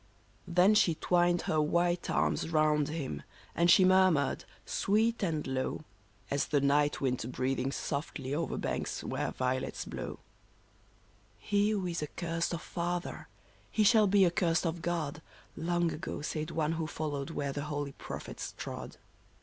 Then she twined her white arms round him, and she mur mured, sweet and low, As the night wind breathing softly over banks where violets blow :He who is accursed of father, he shall be accursed of God,' Long ago said one who followed where the holy prophets trod.